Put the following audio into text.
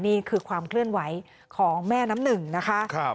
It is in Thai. นี่คือความเคลื่อนไหวของแม่น้ำหนึ่งนะคะ